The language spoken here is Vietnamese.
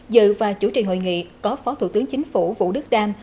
dự và chủ trì hội nghị có phó thủ tướng chính phủ vũ đức đam